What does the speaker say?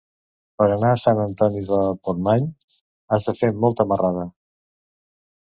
Per anar a Sant Antoni de Portmany has de fer molta marrada.